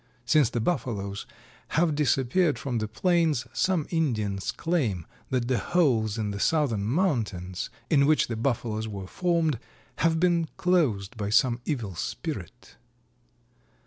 Since the Buffaloes have disappeared from the plains, some Indians claim that the holes in the southern mountains, in which the Buffaloes were formed, have been closed by some evil spirit.